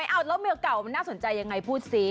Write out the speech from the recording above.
แล้วเมียเก่ามันน่าสนใจยังไงพูดซิ